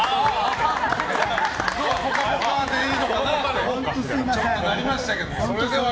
今日は「ぽかぽか」でいいのかなってなりましたけどね。